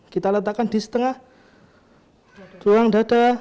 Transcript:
kita letakkan di setengah ruang dada